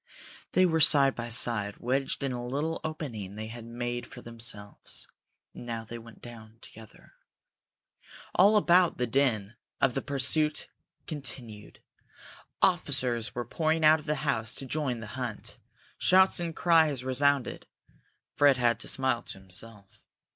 They were side by side, wedged in a little opening they had made for themselves, and now they went down together. All about them the din of the pursuit continued. Officers were pouring out of the house to join the hunt. Shouts and cries resounded. Fred had to smile to himself.